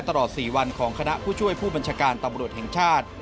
ตลอด๔วันของคณะผู้ช่วยผู้บัญชาการตำรวจแห่งชาติ